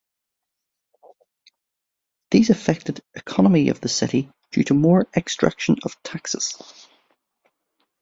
These affected economy of the city due to more extraction of taxes.